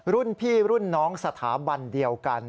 รุ่นพี่รุ่นน้องสถาบันเดียวกัน